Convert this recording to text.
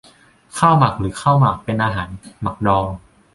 ข้าวหมัก หรือข้าวหมาก เป็นอาหารหมักดอง